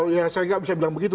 ya saya nggak bisa bilang begitu